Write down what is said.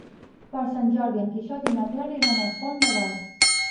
Per Sant Jordi en Quixot i na Clara iran al Pont de Bar.